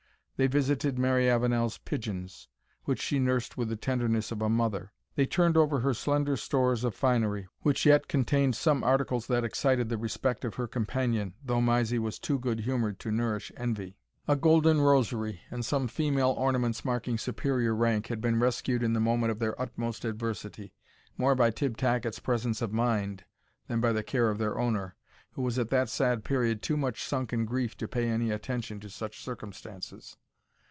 They visited Mary Avenel's pigeons, which she nursed with the tenderness of a mother; they turned over her slender stores of finery, which yet contained some articles that excited the respect of her companion, though Mysie was too good humoured to nourish envy. A golden rosary, and some female ornaments marking superior rank, had been rescued in the moment of their utmost adversity, more by Tibb Tacket's presence of mind, than by the care of their owner, who was at that sad period too much sunk in grief to pay any attention to such circumstances.